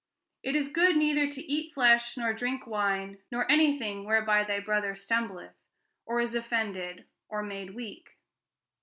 It is good neither to eat flesh nor drink wine, nor anything whereby thy brother stumbleth, or is offended, or made weak.'